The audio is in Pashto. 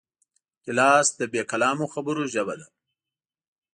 ګیلاس د بېکلامو خبرو ژبه ده.